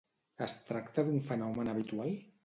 Es tracta d'un fenomen habitual?